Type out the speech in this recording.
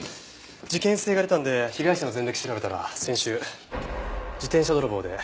事件性が出たんで被害者の前歴調べたら先週自転車泥棒で逮捕されてました。